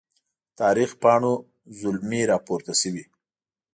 د تاریخ پاڼو زلمي راپورته سوي